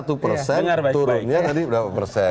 turunnya tadi berapa persen